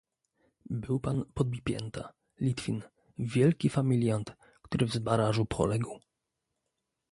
"Był pan Podbipięta, Litwin, wielki familiant, który w Zbarażu poległ."